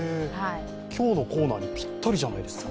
今日のコーナーにぴったりじゃないですか。